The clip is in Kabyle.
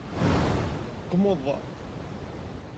Qmeḍ.